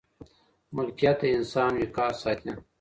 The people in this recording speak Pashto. ملکیت د انسان وقار ساتي.